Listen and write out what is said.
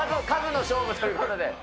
数の勝負ということで。